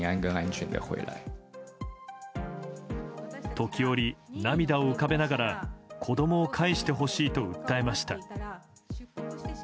時折、涙を浮かべながら子供を返してほしいと訴えました。